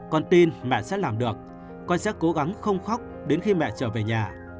con tin mẹ sẽ làm được con sẽ cố gắng không khóc đến khi mẹ trở về nhà